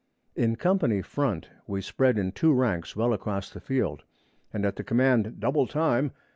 In company front, we spread in two ranks well across the field, and at the command 'Double time!'